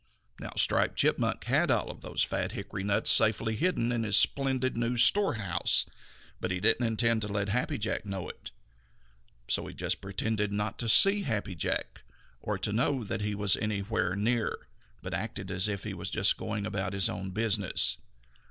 Now Striped Chipmunk had all of those fat hickory nuts safely hidden in his splendid new storehouse, but he didn't intend to let Happy Jack know it. So he just pretended not to see Happy Jack, or to know that he was anywhere near, but acted as if he was just going about his own business.